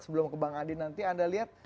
sebelum ke bang adi nanti anda lihat